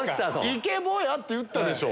イケボやって言ったでしょ。